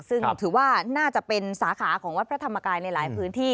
ซึ่งถือว่าน่าจะเป็นสาขาของวัดพระธรรมกายในหลายพื้นที่